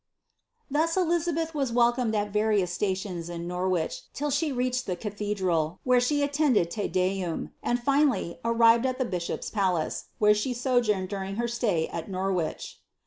Thus Elizabeth was welcomed at various stations in Norwich till she fetched the cathedral, where she attended Te Deum ; and, finally, irrived at the bishop's palace ; where she sojourned during her stay at jTofvich.